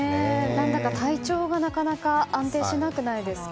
何だか、体調がなかなか安定しなくないですか？